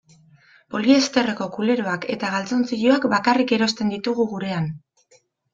Poliesterreko kuleroak eta galtzontziloak bakarrik erosten ditugu gurean.